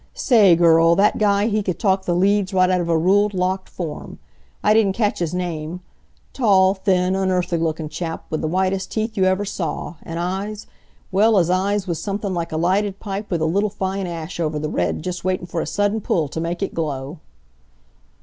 Sa a ay, girl, that guy, he could talk the leads right out of a ruled, locked form. I didn't catch his name. Tall, thin, unearthly lookin' chap, with the whitest teeth you ever saw, an' eyes well, his eyes was somethin' like a lighted pipe with a little fine ash over the red, just waitin' for a sudden pull t' make it glow."